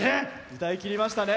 歌いきりましたね。